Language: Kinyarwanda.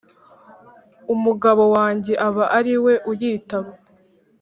Umugabo wanjye aba ari we uyitaba